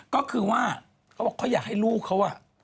ก็คือว่าเขาบอกเขาอยากให้ลูกเขา